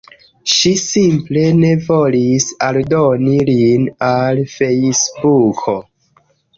Ŝi simple ne volis aldoni lin al Fejsbuko.